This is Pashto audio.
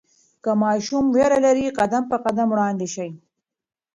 که ماشوم ویره لري، قدم په قدم وړاندې شئ.